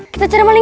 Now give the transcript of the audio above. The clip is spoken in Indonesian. kita cari kembali